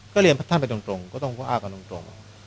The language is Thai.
ก็เรียนท่านไปตรงก็ต้องรู้เปล่ากันตรง